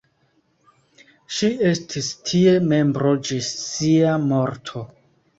Ŝi estis tie membro ĝis sia morto.